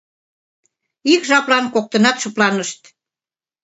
Ик жаплан коктынат шыпланышт.